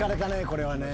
これはね。